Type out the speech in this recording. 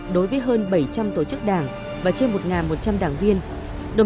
đối với hơn bảy trăm linh tổ chức đảng và trên một một trăm linh đảng viên